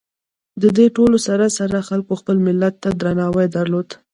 د دې ټولو سره سره خلکو خپل ملت ته درناوي درلود.